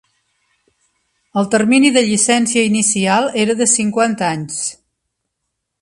El termini de llicència inicial era de cinquanta anys.